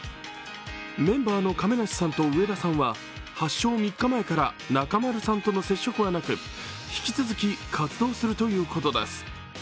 メンバーの亀梨さんと上田さんは発症３日前から中丸さんとの接触はなく引き続き活動するということです。